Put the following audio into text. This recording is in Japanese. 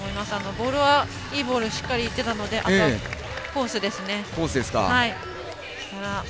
ボールは、いいボールしっかりいってたのであとコースですね。